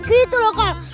gitu loh kak